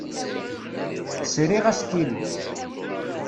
Sriɣ astilu.